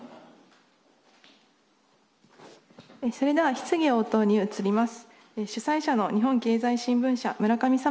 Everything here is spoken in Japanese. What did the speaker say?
質疑・応答に移ります。